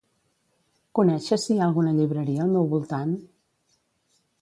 Coneixes si hi ha alguna llibreria al meu voltant?